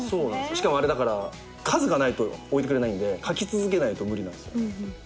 しかもあれ数がないと置いてくれないんで書き続けないと無理なんですよね。